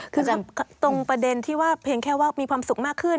คือตรงประเด็นที่ว่าเพียงแค่ว่ามีความสุขมากขึ้น